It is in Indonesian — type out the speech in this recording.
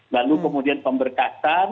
lalu kemudian pemberkatan